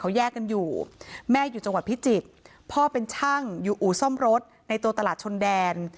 เขาแยกกันอยู่แม่อยู่จังหวัดพิจิตรพ่อเป็นช่างอยู่อู่ซ่อมรถในตัวตลาดชนแดน